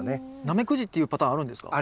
ナメクジっていうパターンあるんですか？